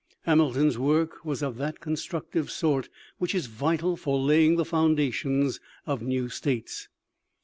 Hamilton's work was of that constructive sort which is vital for laying the foundations of new states.